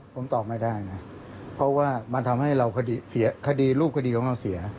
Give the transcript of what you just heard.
ผมตอบไม่ได้นะเพราะว่ามันทำให้เราเสียคดีรูปคดีของเราเสีย